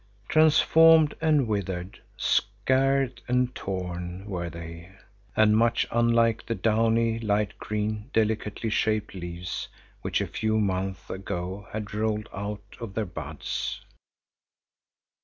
Transformed and withered, scarred and torn were they, and much unlike the downy, light green, delicately shaped leaves, which a few months ago had rolled out of their buds.